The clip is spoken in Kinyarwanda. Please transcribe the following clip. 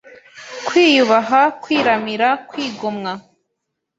kwiyubaha, kwiramira, kwigomwa